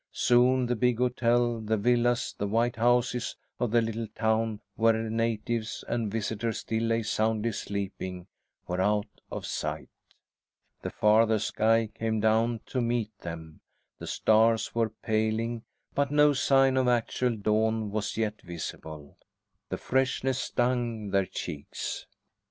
Soon the big hotel, the villas, the white houses of the little town where natives and visitors still lay soundly sleeping, were out of sight. The farther sky came down to meet them. The stars were paling, but no sign of actual dawn was yet visible. The freshness stung their cheeks.